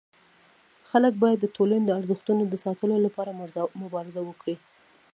خلک باید د ټولني د ارزښتونو د ساتلو لپاره مبارزه وکړي.